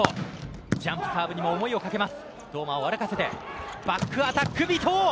ジャンプサーブにも思いをかけます。